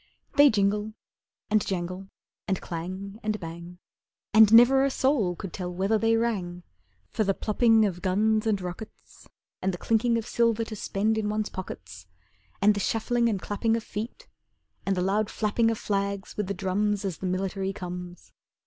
They jingle and jangle, And clang, and bang, And never a soul could tell whether they rang, For the plopping of guns and rockets And the chinking of silver to spend, in one's pockets, And the shuffling and clapping of feet, And the loud flapping Of flags, with the drums, As the military comes.